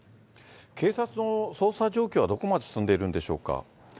警察の捜査状況はどこまで進んでいるんでしょうか。